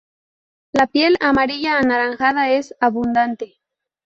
La piel, amarilla-anaranjada, es abundante.